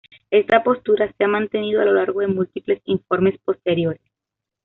Esta postura se ha mantenido a lo largo de múltiples informes posteriores.